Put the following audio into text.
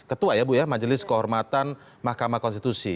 ketua ya bu ya majelis kehormatan mahkamah konstitusi